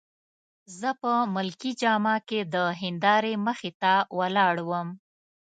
زه په ملکي جامه کي د هندارې مخې ته ولاړ وم.